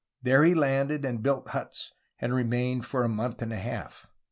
There he landed and built huts and remained for a month and a half."